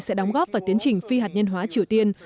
sẽ đóng góp vào tiến trình phi hạt nhân hóa triều tiên